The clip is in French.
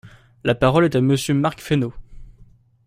La parole est à Monsieur Marc Fesneau.